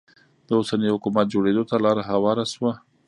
د اوسني حکومت جوړېدو ته لاره هواره شوه.